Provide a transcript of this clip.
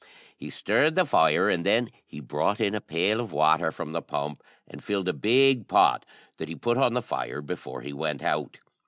He stirred the fire, and then he brought in a pail of water from the pump, and filled a big pot that he put on the fire before he went out.